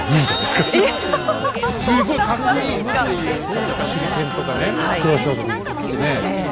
すごいカッコいいっていうそのやっぱり手裏剣とかね黒装束着てね